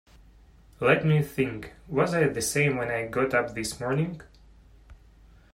Let me think: was I the same when I got up this morning?